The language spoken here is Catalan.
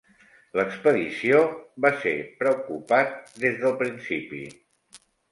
L'expedició va ser preocupat des del principi.